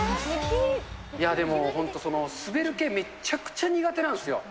いや、でも本当、滑る系、めちゃくちゃ苦手なんですよ。